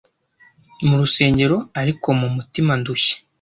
murusengero ariko mu mutima ndushye,